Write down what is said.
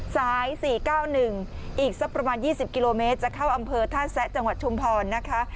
สายสี่เก้าหนึ่งอีกซะประมาณยี่สิบกิโลเมตรจะเข้าอำเภอท่าแสะจังหวัดชมพรนะคะ